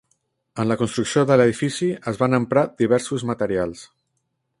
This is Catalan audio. En la construcció de l'edifici es van emprar diversos materials.